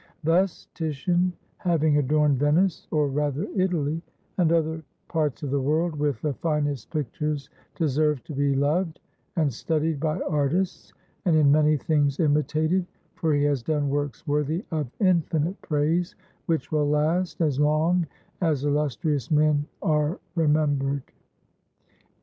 Thus Titian, having adorned Venice, or rather, Italy, 108 VASARI'S MEMORIES OF TITIAN and other parts of the world, with the finest pictures, deserves to be loved and studied by artists, and in many things imitated, for he has done works worthy of infinite praise, which will last as long as illustrious men are remembered.